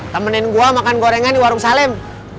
temenin gue makan gorengan di warung salem